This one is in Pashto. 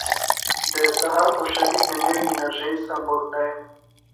• د سهار خوشحالي د نوې انرژۍ سمبول دی.